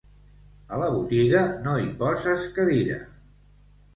A la botiga no hi poses cadira.